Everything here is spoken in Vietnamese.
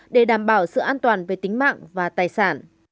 để đảm bảo sự an toàn về tính mạng và tài sản